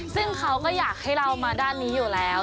ซึ่งเขาก็อยากให้เรามาด้านนี้อยู่แล้ว